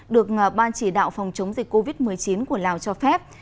được ban chỉ đạo phòng chống dịch covid một mươi chín của lào cho phép